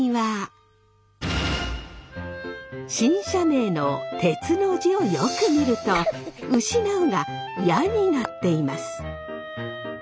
新社名の「鉄」の字をよく見ると「失う」が「矢」になっています。